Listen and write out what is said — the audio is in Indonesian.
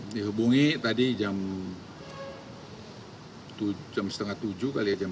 dihubungi tadi jam jam setengah tujuh kali ya jam berapa